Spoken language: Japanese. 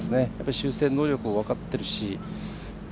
調整能力も分かってるし。